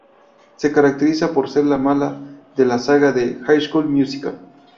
Se caracteriza por ser la "mala" de la saga de High School Musical.